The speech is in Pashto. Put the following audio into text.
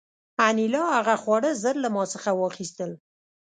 انیلا هغه خواړه ژر له ما څخه واخیستل